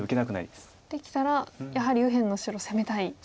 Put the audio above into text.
できたらやはり右辺の白攻めたい。